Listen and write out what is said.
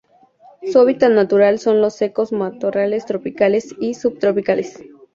Su hábitat natural son los secos matorrales tropicales y subtropicales.